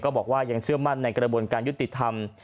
บอกว่ายังเชื่อมั่นในกระบวนการยุติธรรม